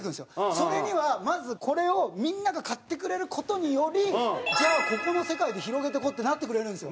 それには、まず、これをみんなが買ってくれる事によりここの世界で広げていこうってなってくれるんですよ。